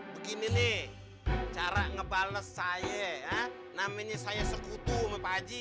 begini nih cara ngebales saya ya namanya saya sekutu sama pak haji